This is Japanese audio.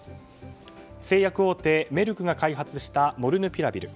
製薬大手メルクが開発したモルヌピラビル。